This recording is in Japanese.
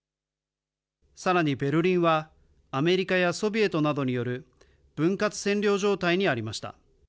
さらにベルリンは、アメリカやソビエトなどによる分割占領状態にありました。